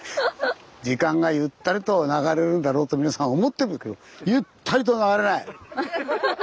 時間がゆったりと流れるんだろうと皆さん思ってるけどゆったりと流れない！